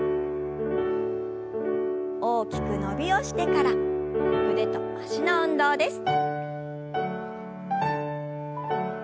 大きく伸びをしてから腕と脚の運動です。